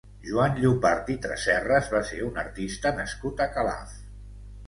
Joan Llopart i Tresserres va ser un artista nascut a Calaf.